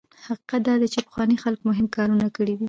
حقیقت دا دی چې پخوانیو خلکو مهم کارونه کړي دي.